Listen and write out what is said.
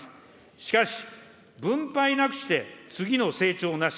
しかし、分配なくして次の成長なし。